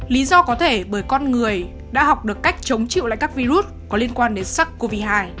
lý do có thể bởi con người đã học được cách chống chịu lại các virus có liên quan đến sars cov hai